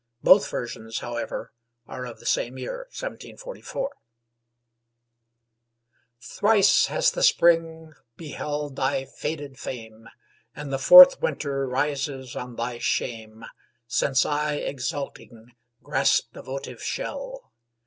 Both versions, however, are of the same year, 1744.] Thrice has the spring beheld thy faded fame, And the fourth winter rises on thy shame, Since I exulting grasped the votive shell.